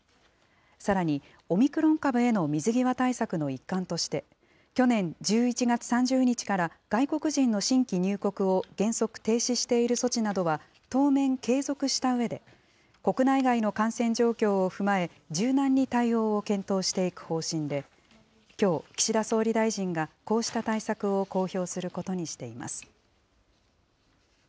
さらに、オミクロン株への水際対策の一環として、去年１１月３０日から外国人の新規入国を原則停止している措置などは当面継続したうえで、国内外の感染状況を踏まえ、柔軟に対応を検討していく方針で、きょう、岸田総理大臣がこうした対策を公表することにしています。